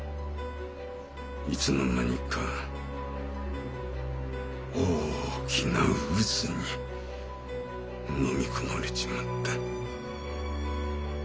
いつの間にか大きな渦にのみ込まれちまった。